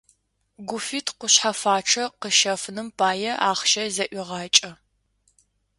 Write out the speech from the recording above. Гуфит кушъхьэфачъэ къыщэфыным пае ахъщэ зэӀуегъэкӏэ.